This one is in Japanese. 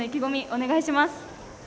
お願いします。